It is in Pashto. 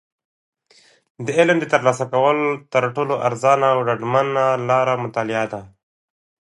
د علم د ترلاسه کولو تر ټولو ارزانه او ډاډمنه لاره مطالعه ده.